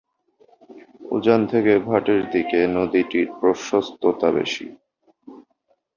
উজান থেকে ভাটির দিকে নদীটির প্রশস্ততা বেশি।